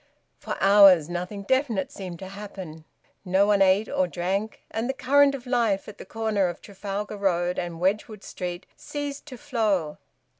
For hours nothing definite seemed to happen; no one ate or drank, and the current of life at the corner of Trafalgar Road and Wedgwood Street ceased to flow.